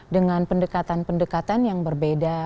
dengan pendekatan pendekatan yang berbeda